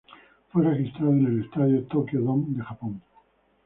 Fue registrado en el estadio Tokyo Dome de Japón.